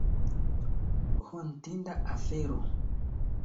Hontinda afero.